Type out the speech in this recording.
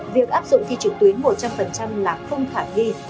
việc áp dụng thi trực tuyến một trăm linh là không thả ghi